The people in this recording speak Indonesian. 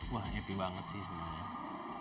wah happy banget sih sebenarnya